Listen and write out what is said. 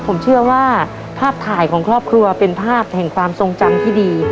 ผมเชื่อว่าภาพถ่ายของครอบครัวเป็นภาพแห่งความทรงจำที่ดี